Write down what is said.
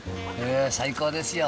最高ですよ